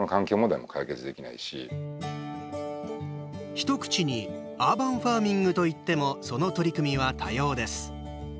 一口にアーバンファーミングと言ってもその取り組みは多様です。